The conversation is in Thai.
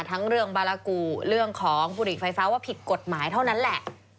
ทั้งเรื่องบารากูเรื่องของบุหรี่ไฟฟ้าว่าผิดกฎหมายเท่านั้นแหละ